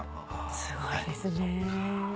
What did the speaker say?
すごいですね。